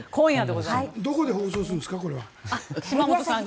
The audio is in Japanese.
どこで放送するんですか？